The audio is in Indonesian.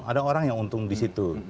ada orang yang untung di situ